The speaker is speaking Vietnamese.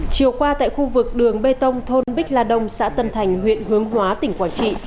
chiều qua tại khu vực đường bê tông thôn bích la đông xã tân thành huyện hướng hóa tỉnh quảng trị